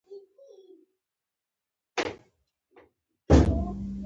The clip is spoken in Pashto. هر څه سپېره ښکارېدل.